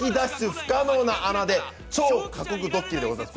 不可能な穴で超過酷ドッキリでございます。